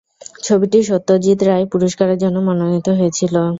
ছবিটি সত্যজিৎ রায় পুরষ্কারের জন্য মনোনীত হয়েছিল।